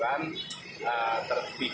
tiap saat dalam proses